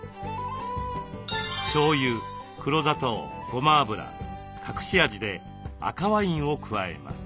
しょうゆ黒砂糖ごま油隠し味で赤ワインを加えます。